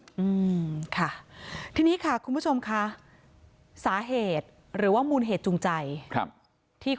อืมค่ะทีนี้ค่ะคุณผู้ชมค่ะสาเหตุหรือว่ามูลเหตุจูงใจครับที่